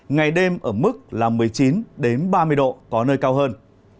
ngày đêm ở mức một mươi chín ba mươi độ có nơi cao hơn